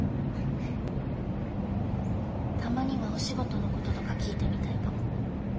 たまにはお仕事のこととか聞いてみたいかも